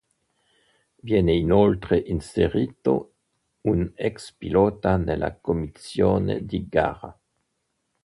Viene inoltre inserito un ex-pilota nella commissione di gara.